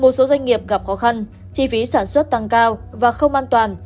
một số doanh nghiệp gặp khó khăn chi phí sản xuất tăng cao và không an toàn